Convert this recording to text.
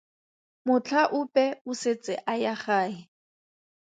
Motlhaope o setse a ya gae.